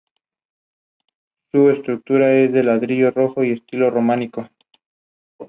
Su natural hábitat son los bosques húmedos tropicales y subtropicales y montanos.